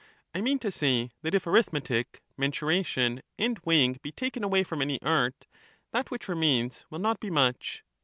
I mean to say, that if arithmetic, mensuration, and The pure weighing be taken away from any art, that which remains f^^h^ ro will not be much.